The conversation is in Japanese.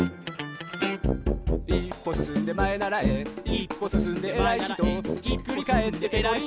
「いっぽすすんでまえならえ」「いっぽすすんでえらいひと」「ひっくりかえってぺこり